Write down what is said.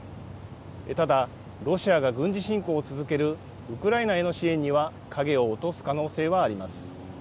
ただ、ロシアが軍事侵攻を続けるウクライナへの支援には、影を落とす可能性はあります。